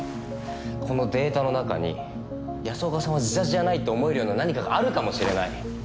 このデータの中に安岡さんは自殺じゃないって思えるような何かがあるかもしれない。